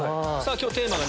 今日テーマが。